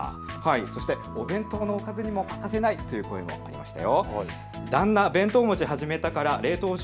そしてお弁当のおかずにも欠かせないという声もありました。